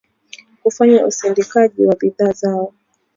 kufanya usindikaji wa bidhaa zao